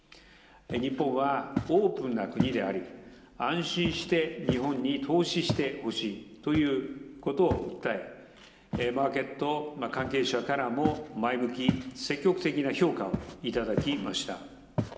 日本はオープンな国であり、安心して日本に投資してほしいということを訴え、マーケット関係者からも前向き、積極的な評価を頂きました。